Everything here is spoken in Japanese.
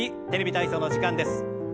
「テレビ体操」の時間です。